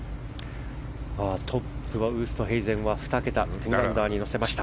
トップはウーストヘイゼンは２桁１０アンダーに乗せました。